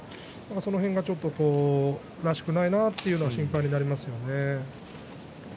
その辺がちょっとらしくないなということで心配になりますね。